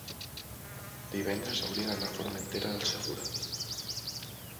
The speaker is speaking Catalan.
Divendres hauria d'anar a Formentera del Segura.